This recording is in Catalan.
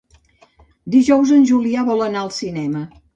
Dijous en Julià vol anar al cinema.